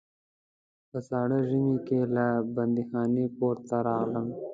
په ساړه ژمي کې له بندیخانې کور ته راغلم.